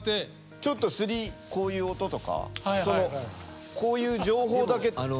ちょっとすりこういう音とかこういう情報だけ。